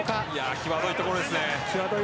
きわどいところですね。